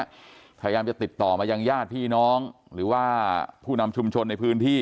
พยายามจะติดต่อมายังญาติพี่น้องหรือว่าผู้นำชุมชนในพื้นที่